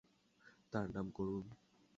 তার নাম করুন।